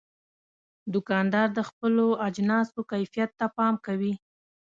دوکاندار د خپلو اجناسو کیفیت ته پام کوي.